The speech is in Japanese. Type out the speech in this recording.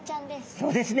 そうですね